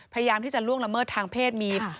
พยายามที่จะล่วงละเมิดทางเพศมี